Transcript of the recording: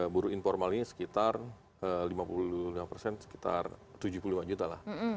buruh informal ini sekitar lima puluh lima persen sekitar tujuh puluh lima juta lah